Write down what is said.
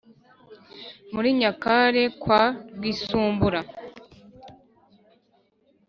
Muri Nyakare kwa Rwisumbura